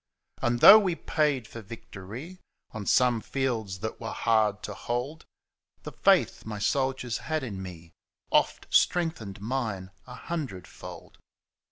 And though we paid for victory On some fields that were hard to hold. The faith my soldiers had in me Oft strengthened mine a hundredfold.